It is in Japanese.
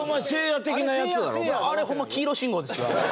あれホンマ黄色信号ですよ。